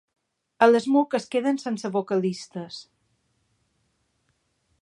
A l'ESMUC es queden sense vocalistes.